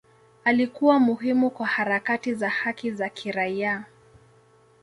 Alikuwa muhimu kwa harakati za haki za kiraia.